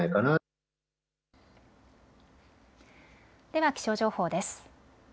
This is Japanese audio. では気象情報です。